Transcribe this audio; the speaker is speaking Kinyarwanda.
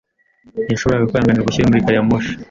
Ntiyashoboraga kwihanganira ubushyuhe muri gari ya moshi.